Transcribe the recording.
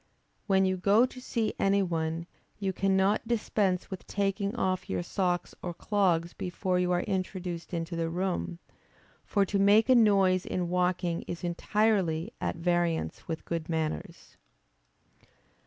When you go to see any one, you cannot dispense with taking off your socks or clogs before you are introduced into the room. For to make a noise in walking is entirely at variance with good manners.